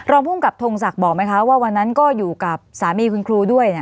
ภูมิกับทงศักดิ์บอกไหมคะว่าวันนั้นก็อยู่กับสามีคุณครูด้วย